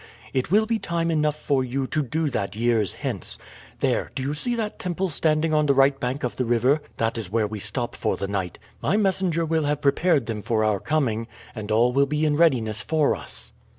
It will be time enough for you to do that years hence. There, do you see that temple standing on the right bank of the river? That is where we stop for the night. My messenger will have prepared them for our coming, and all will be in readiness for us."